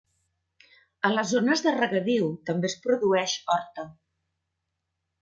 A les zones de regadiu també es produeix horta.